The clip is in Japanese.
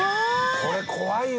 これ怖いわ。